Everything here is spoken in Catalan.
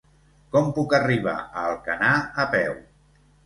Com puc arribar a Alcanar a peu?